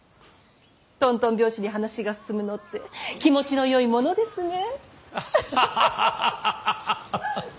とんとん拍子に話が進むのって気持ちのよいものですね。